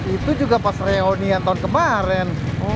itu juga pas reunian tahun kemarin